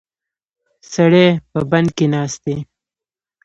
سړی په بند کې ناست دی.